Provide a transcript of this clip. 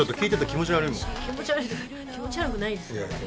気持ち悪くないですから。